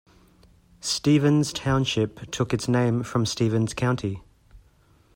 Stevens Township took its name from Stevens County.